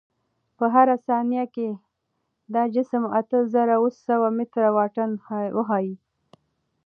په هره ثانیه کې دا جسم اته زره اوه سوه متره واټن وهي.